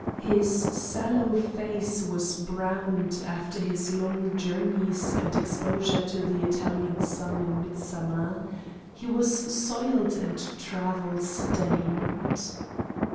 His sallow face was browned after his long journeys and exposure to the Italian sun in midsummer. He was soiled and travel stained.